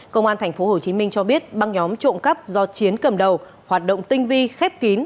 công an tp hcm cho biết băng nhóm trộm cắp do chiến cầm đầu hoạt động tinh vi khép kín